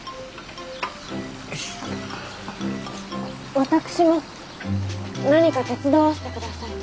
私も何か手伝わせて下さい。